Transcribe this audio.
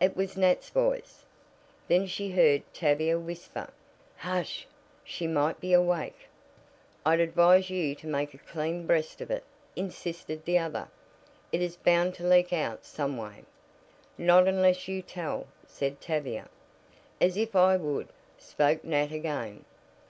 It was Nat's voice. Then she heard Tavia whisper: "Hush! she might be awake!" "I'd advise you to make a clean breast of it," insisted the other. "It is bound to leak out some way." "Not unless you tell," said Tavia. "As if I would," spoke Nat again.